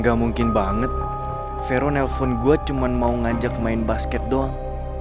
gak mungkin banget vero nelfon gue cuma mau ngajak main basket doang